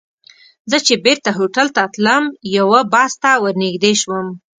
زه چې بېرته هوټل ته تلم، یوه بس ته ور نږدې شوم.